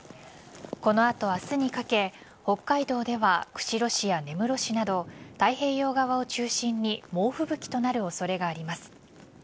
この後、明日にかけ北海道では釧路市や根室市など太平洋側を中心に猛吹雪となる恐れがあります。